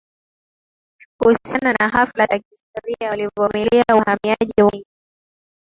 kuhusiana na hafla za kihistoria walivumilia uhamiaji mwingi